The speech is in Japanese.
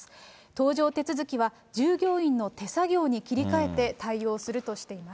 搭乗手続きは、従業員の手作業に切り替えて、対応するとしています。